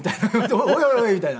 おいおいおいみたいな。